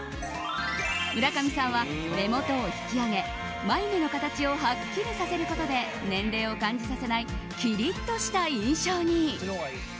村上さんは、目元を引き上げ眉毛の形をはっきりさせることで年齢を感じさせないきりっとした印象に。